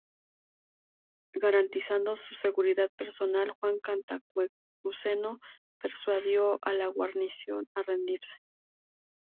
Garantizando su seguridad personal, Juan Cantacuceno persuadió a la guarnición a rendirse.